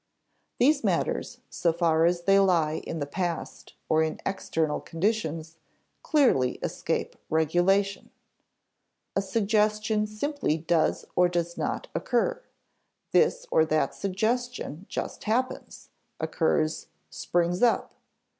These matters, so far as they lie in the past or in external conditions, clearly escape regulation. A suggestion simply does or does not occur; this or that suggestion just happens, occurs, springs up.